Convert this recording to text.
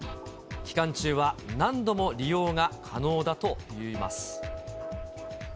期間中は何度も利用が可能だといいます。